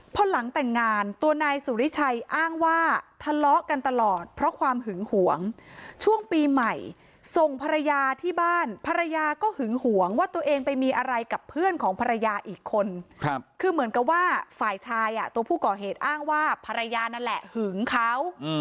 พอหลังแต่งงานตัวนายสุริชัยอ้างว่าทะเลาะกันตลอดเพราะความหึงหวงช่วงปีใหม่ส่งภรรยาที่บ้านภรรยาก็หึงหวงว่าตัวเองไปมีอะไรกับเพื่อนของภรรยาอีกคนคือเหมือนกับว่าฝ่ายชายตัวผู้ก่อเหตุอ้างว่าภรรยานั่นแหละหึงเขา